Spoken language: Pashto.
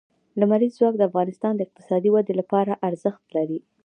لمریز ځواک د افغانستان د اقتصادي ودې لپاره ارزښت لري.